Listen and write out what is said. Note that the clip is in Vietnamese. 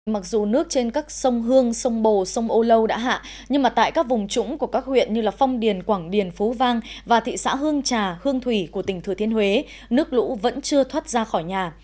mặc dù nước trên các sông hương sông bồ sông âu lâu đã hạ nhưng tại các vùng trũng của các huyện như phong điền quảng điền phú vang và thị xã hương trà hương thủy của tỉnh thừa thiên huế nước lũ vẫn chưa thoát ra khỏi nhà